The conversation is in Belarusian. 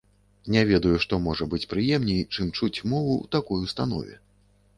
Не ведаю, што можа быць прыемней, чым чуць мову ў такой установе.